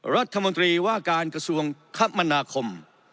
รัฐมนตรีว่าการกระทรวงคมนาคม